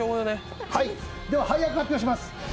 では、配役を発表します。